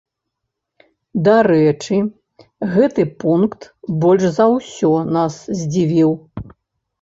Дарэчы, гэты пункт больш за ўсе нас здзівіў.